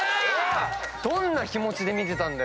どんな気持ちで見てたんだ。